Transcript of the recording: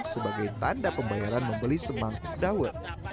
sebagai tanda pembayaran membeli semangkuk dawet